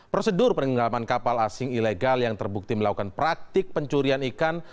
prosedur penenggelaman kapal asing ilegal yang terbukti melakukan praktik pencurian ikan